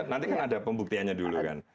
nanti kan ada pembuktiannya dulu kan